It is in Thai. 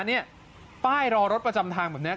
นี่ป้ายรอรถประจำทางแบบนี้